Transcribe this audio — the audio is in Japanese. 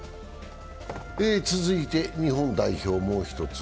続いて、日本代表もう一つ。